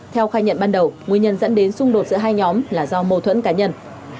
theo khai nhận ban đầu nguyên nhân dẫn đến xung đột giữa hai nhóm là do mâu thuẫn cá nhân